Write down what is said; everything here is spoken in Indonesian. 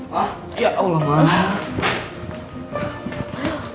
mah ya allah mah